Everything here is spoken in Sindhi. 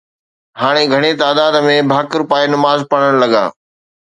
ھاڻي گھڻي تعداد ۾ ڀاڪر پائي نماز پڙھڻ لڳا